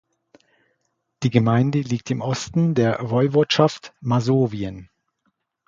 Die Gemeinde liegt im Osten der Woiwodschaft Masowien.